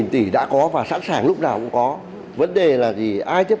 một trăm hai mươi tỷ đã có và sẵn sàng lúc nào cũng có